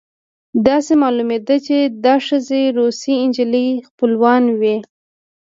داسې معلومېده چې دا ښځې د روسۍ نجلۍ خپلوانې وې